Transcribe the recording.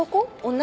女？